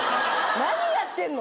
何やってんの！？